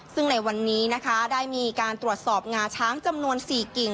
ซึ่งในวันนี้นะคะได้มีการตรวจสอบงาช้างจำนวน๔กิ่ง